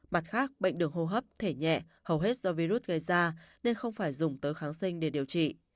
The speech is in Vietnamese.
mặt khác bệnh đường hô hấp thể nhẹ hầu hết do virus gây ra nên không phải dùng tới kháng sinh để điều trị